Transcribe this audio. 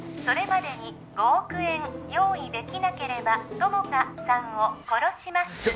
それまでに５億円用意できなければ友果さんを殺します